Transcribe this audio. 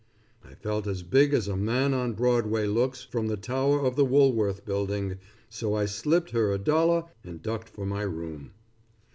I felt as big as a man on Broadway looks from the tower of the Woolworth building, so I slipped her a dollar and ducked for my room.